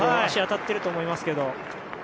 足、当たっていると思いますけど。